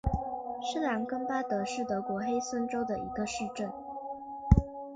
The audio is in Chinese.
施兰根巴德是德国黑森州的一个市镇。